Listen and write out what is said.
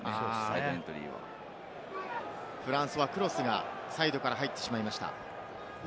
フランスはサイドから入ってしまいました。